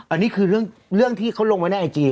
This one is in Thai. อันนี้คือเรื่องที่เขาลงไว้ในไอจี